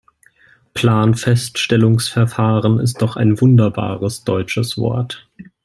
Planfeststellungsverfahren ist doch ein wunderbares deutsches Wort.